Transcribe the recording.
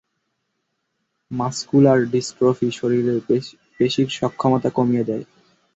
Muscular dystrophy শরীরের পেশীর সক্ষমতা কমিয়ে দেয়।